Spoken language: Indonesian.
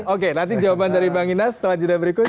oke nanti jawaban dari bang inas setelah judul berikut